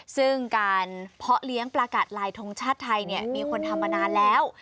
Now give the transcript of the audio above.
ซึ่งการเพาะเลี้ยงปลากัดลายทงชาติไทยมีคนทำมานานแล้ว